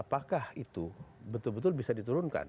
apakah itu betul betul bisa diturunkan